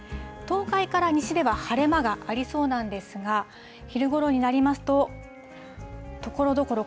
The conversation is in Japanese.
東海から西では晴れ間がありそうなんですが、昼ごろになりますと、ところどころ、